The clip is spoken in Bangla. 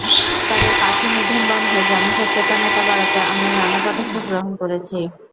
তবে পাখি নিধন বন্ধে জনসচেতনতা বাড়াতে আমরা নানা পদক্ষেপ গ্রহণ করেছি।